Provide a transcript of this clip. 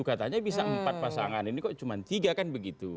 katanya bisa empat pasangan ini kok cuma tiga kan begitu